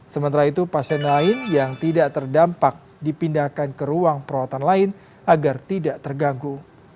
sementara itu pasien lain yang tidak terdampak dipindahkan ke ruang perawatan lain agar tidak terganggu